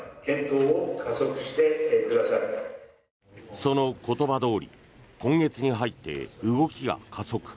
その言葉どおり今月に入って動きが加速。